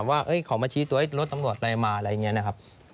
ว่าเขามาชี้ตัวรถตำรวจอะไรมาอะไรอย่างนี้นะครับ